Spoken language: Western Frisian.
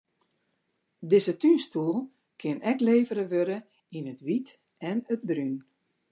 Dizze túnstoel kin ek levere wurde yn it wyt en it brún.